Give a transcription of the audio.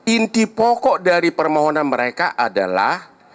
inti pokok dari permohonan mereka adalah